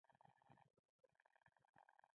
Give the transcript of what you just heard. ملي بیرغ یې ډیر رپولی